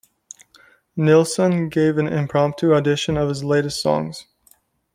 Nilsson gave an impromptu audition of his latest songs.